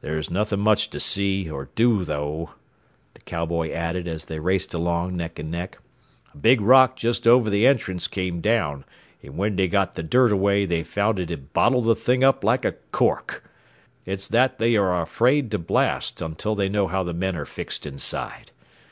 "There's nothing much to see, or do, though," the cowman added as they raced along neck and neck. "A big rock just over the entrance came down, and when they got the dirt away they found it had bottled the thing up like a cork. It's that they are afraid to blast until they know how the men are fixed inside.